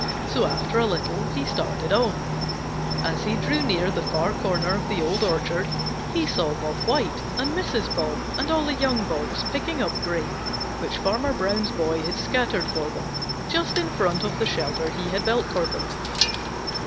So after a little he started on. As he drew near the far corner of the Old Orchard, he saw Bob White and Mrs. Bob and all the young Bobs picking up grain which Farmer Brown's boy had scattered for them just in front of the shelter he had built for them.